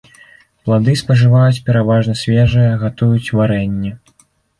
Плады спажываюць пераважна свежыя, гатуюць варэнне.